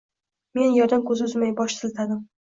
Men erdan ko`z uzmay bosh siltadim